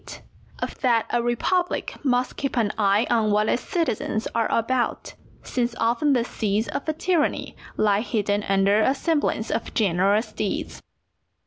—_That a Republic must keep an eye on what its Citizens are about; since often the seeds of a Tyranny lie hidden under a semblance of generous deeds.